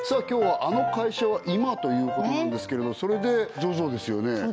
今日はあの会社は今ということなんですけれどそれでＺＯＺＯですよね